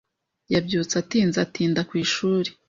Yabyutse atinze atinda ku ishuri.